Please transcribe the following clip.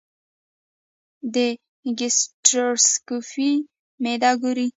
د ګیسټروسکوپي معده ګوري.